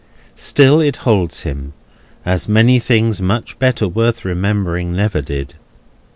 Still, it holds to him, as many things much better worth remembering never did.